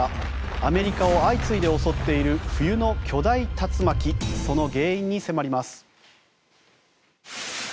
アメリカを相次いで襲っている冬の巨大竜巻その原因に迫ります。